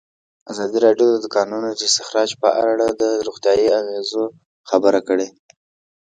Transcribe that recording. ازادي راډیو د د کانونو استخراج په اړه د روغتیایي اغېزو خبره کړې.